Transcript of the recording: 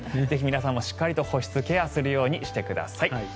ぜひ皆さんも保湿ケアするようにしてください。